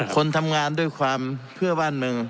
คนทำงานด้วยความเพื่อบ้านเมือง